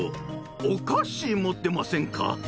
お菓子持ってませんか？